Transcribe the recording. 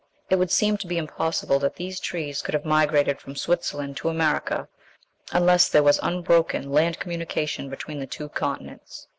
It would seem to be impossible that these trees could have migrated from Switzerland to America unless there was unbroken land communication between the two continents.